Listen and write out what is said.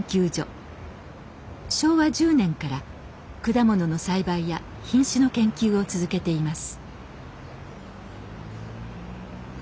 昭和１０年から果物の栽培や品種の研究を続けています。